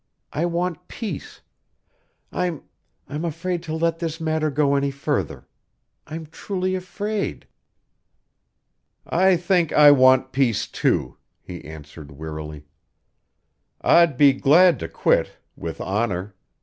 I want peace. I'm I'm afraid to let this matter go any further. I'm truly afraid." "I think I want peace, too," he answered wearily. "I'd be glad to quit with honour.